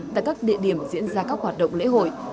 tại các địa điểm diễn ra các hoạt động lễ hội